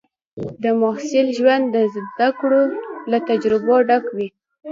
د محصل ژوند د زده کړو او تجربو ډک وي.